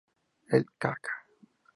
El k.k.